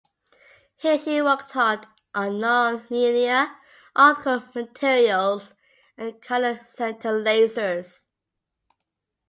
Here she worked on nonlinear optical materials and colour centre lasers.